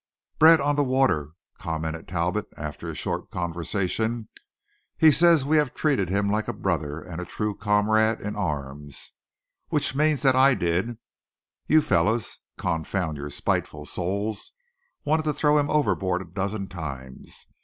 "Bread on the water," commented Talbot after a short conversation. "He says we have treated him like a brother and a true comrade in arms; which means that I did; you fellows, confound your spiteful souls, wanted to throw him overboard a dozen times.